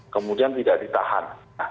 kemudian tidak ditahan